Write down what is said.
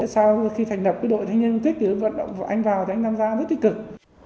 sau khi thành lập đội thanh niên công thích vận động anh vào anh ấy làm ra rất tích cực